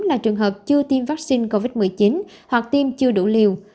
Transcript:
là trường hợp chưa tiêm vaccine covid một mươi chín hoặc tiêm chưa đủ liều